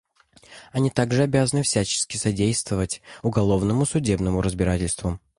Они также обязаны всячески содействовать уголовному судебному разбирательству.